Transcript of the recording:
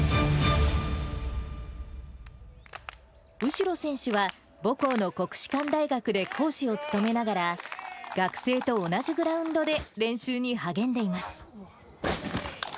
右代選手は、母校の国士舘大学で講師を務めながら、学生と同じグラウンドで練習に励んでいます。